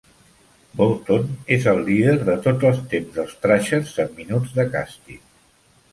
Bolton és el líder de tots els temps dels Thrashers en minuts de càstig.